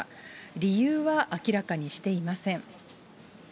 理由は明らかにしていません。